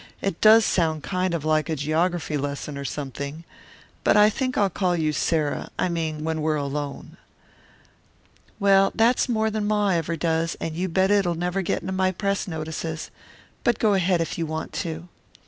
"It does sound kind of like a geography lesson or something. But I think I'll call you Sarah, I mean when we're alone." "Well, that's more than Ma ever does, and you bet it'll never get into my press notices. But go ahead if you want to."